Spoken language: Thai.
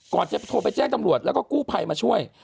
จะโทรไปแจ้งตำรวจแล้วก็กู้ภัยมาช่วย